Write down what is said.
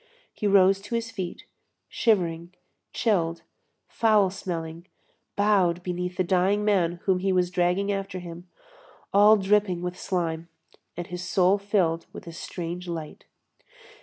He rose to his feet, shivering, chilled, foul smelling, bowed beneath the dying man whom he was dragging after him, all dripping with slime, and his soul filled with a strange light.